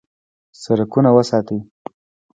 سړکونه وساتئ